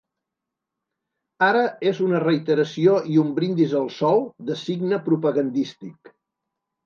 Ara és una reiteració i un brindis al sol de signe propagandístic.